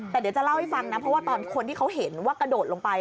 แต่เดี๋ยวจะเล่าให้ฟังนะเพราะว่าตอนคนที่เขาเห็นว่ากระโดดลงไป